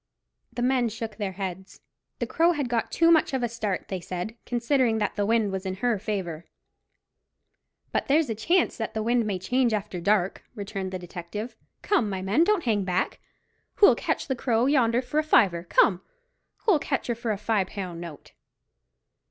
The men shook their heads. The Crow had got too much of a start, they said, considering that the wind was in her favour. "But there's a chance that the wind may change after dark," returned the detective. "Come, my men, don't hang back. Who'll catch the Crow yonder for a fiver, come? Who'll catch her for a fi' pound note?"